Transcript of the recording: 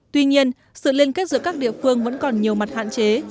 tuy nhiên sự liên kết giữa các địa phương vẫn còn nhiều mặt hạn chế